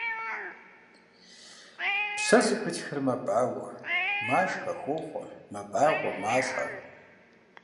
Псэ зыпытхэр мэбауэ, машхэ, хохъуэ, мэбагъуэ, малӀэ.